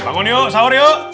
bangun yuk sahur yuk